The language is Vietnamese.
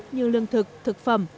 như lương thực thực phẩm